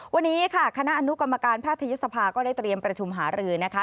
วันนี้ค่ะคณะอนุกรรมการแพทยศภาก็ได้เตรียมประชุมหารือนะคะ